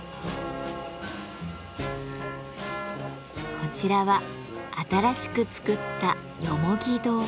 こちらは新しく作った「よもぎ豆腐」。